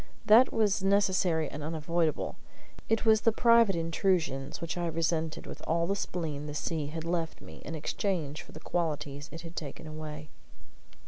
That was necessary and unavoidable; it was the private intrusions which I resented with all the spleen the sea had left me in exchange for the qualities it had taken away.